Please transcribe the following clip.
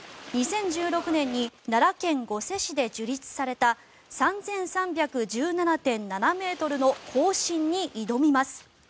２０１６年に奈良県御所市で樹立された３３１７．７ｍの更新に挑みます。